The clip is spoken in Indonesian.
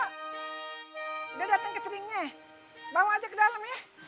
udah dateng cateringnya bawa aja ke dalam ya